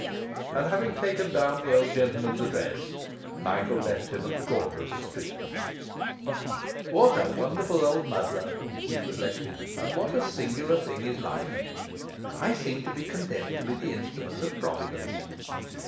And having taken down the old gentleman's address, Michael left him at the corner of a street. 'What a wonderful old muddler!' he reflected, 'and what a singular thing is life! I seem to be condemned to be the instrument of Providence.